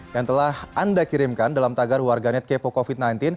yang telah anda kirimkan dalam tagar warganet kepo covid sembilan belas